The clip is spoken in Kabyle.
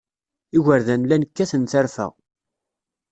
Igerdan llan kkaten tarfa.